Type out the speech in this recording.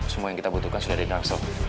semua yang kita butuhkan sudah ada di dark soul